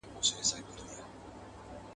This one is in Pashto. • نې خپله خوري، نې بل ته ورکوي.